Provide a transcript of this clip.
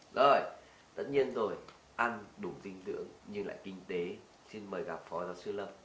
rồi tất nhiên rồi ăn đủ dinh dưỡng nhưng lại kinh tế xin mời gặp phó giáo sư lâm